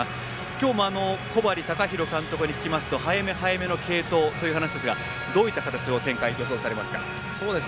今日も小針崇宏監督に聞きますと早めの継投ということですがどういった展開を予想されますか？